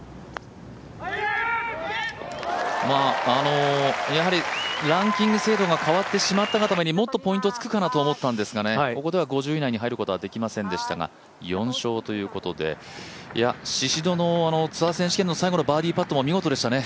まあ、やはりランキング制度が変わってしまったがためにもっとポイントつくかなと思ったんですがここでは５０位以内に入ることはできませんでしたが４勝ということで、宍戸のツアー選手権の最後のバーディーパットも見事でしたね。